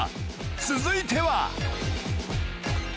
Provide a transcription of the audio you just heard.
続いては